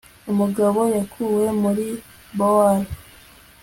UmugaboYakuwe muri bowers